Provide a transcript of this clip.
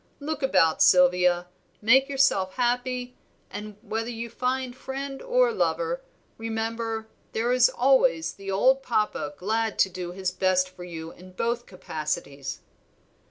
Look about, Sylvia, make yourself happy; and, whether you find friend or lover, remember there is always the old Papa glad to do his best for you in both capacities."